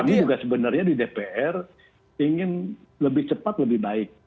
kami juga sebenarnya di dpr ingin lebih cepat lebih baik